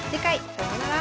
さようなら。